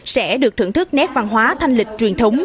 sẽ được thưởng thức nét văn hóa thanh lịch truyền thống